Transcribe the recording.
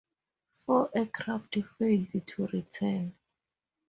Four aircraft failed to return.